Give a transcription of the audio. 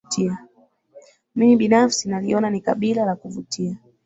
Mimi binafsi naliona ni kabila la kuvutia